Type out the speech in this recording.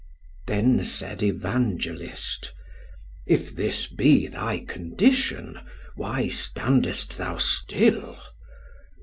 "Then said Evangelist, 'If this be thy condition, why standest thou still?'